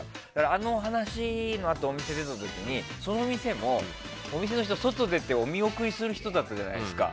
あの話のあと、お店出た時にその店も、お店の人が外に出てお見送りする人だったじゃないですか。